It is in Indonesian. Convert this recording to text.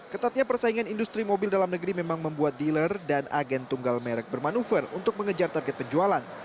ketatnya persaingan industri mobil dalam negeri memang membuat dealer dan agen tunggal merek bermanuver untuk mengejar target penjualan